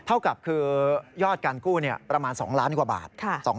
เท่ากับคือยอดการกู้ประมาณ๒ล้านกว่าบาท